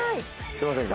すいません。